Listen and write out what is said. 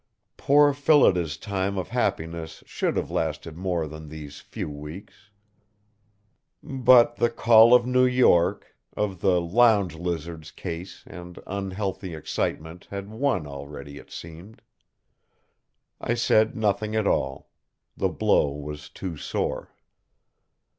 Poor Phillida's time of happiness should have lasted more than these few weeks. But the call of New York, of the "lounge lizard's" ease and unhealthy excitement had won already, it seemed. I said nothing at all. The blow was too sore.